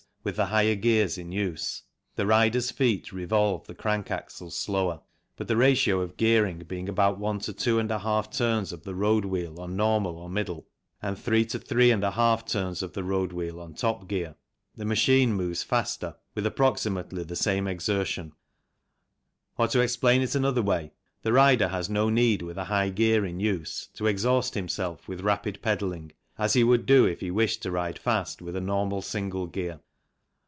with the higher gears in use, the rider's feet revolve the crank axle slower, but the ratio of gearing being about one to two and a half turns of the road wheel 58 CHANGE SPEED GEARS 59 on normal or middle, and three to three and a half turns of the road wheel on top gear, the machine moves faster with approximately the same exertion ; or to explain it another way, the rider has no need with a high gear in use to exhaust himself with rapid pedalling as he would do if he wished to ride fast with a normal single gear.